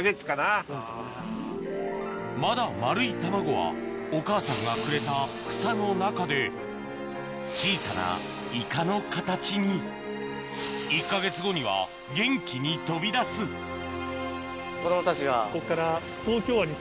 まだ丸い卵はお母さんがくれた房の中で小さなイカの形に１か月後には元気に飛び出す子供たちが。